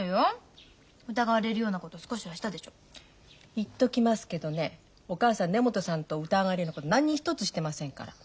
言っときますけどねお母さん根本さんと疑われるようなこと何一つしてませんから。